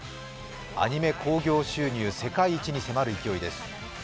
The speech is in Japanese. アニメ興行収入世界一に迫る勢いです。